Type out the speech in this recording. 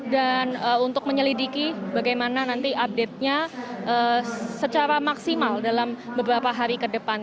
dan untuk menyelidiki bagaimana nanti update nya secara maksimal dalam beberapa hari ke depan